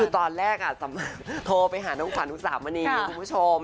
คือตอนแรกโทรไปหาน้องขวัญอุสามณีคุณผู้ชม